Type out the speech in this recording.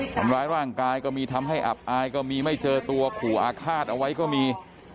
ทำร้ายร่างกายก็มีทำให้อับอายก็มีไม่เจอตัวขู่อาฆาตเอาไว้ก็มี